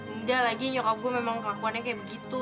enggak lagi nyokap gue memang kelakuannya kayak begitu